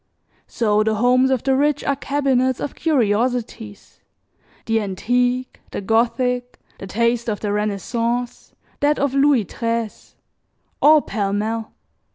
So the homes of the rich are cabinets of curiosities: the antique, the Gothic, the taste of the Renaissance, that of Louis XIII, all pell mell.